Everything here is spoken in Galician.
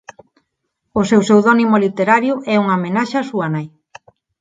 O seu pseudónimo literario é unha homenaxe á súa nai.